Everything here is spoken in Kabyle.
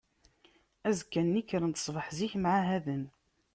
Azekka-nni, kkren-d ṣṣbeḥ zik, mɛahaden.